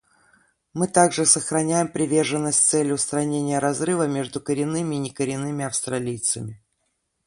Мы также сохраняем приверженность цели устранения разрыва между коренными и некоренными австралийцами.